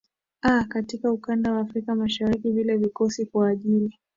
a katika ukanda wa afrika mashariki vile vikoshi kwa ajili